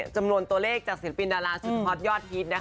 จำนวนตัวเลขจากศิลปินดาราสุดฮอตยอดฮิต